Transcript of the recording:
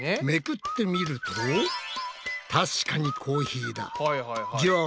めくってみると確かにコーヒーだ。